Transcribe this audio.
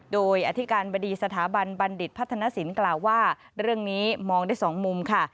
โดยอธิการบดีสถาบันบัณฑิตพัฒนศิลป์กล่าวว่าเรื่องนี้มองได้สองมุมค่ะ